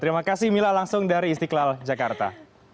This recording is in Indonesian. terima kasih mila langsung dari istiqlal jakarta